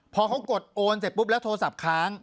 พอเขากดโอนเสร็จปุ๊บแล้วโทรศัพท์ค้าง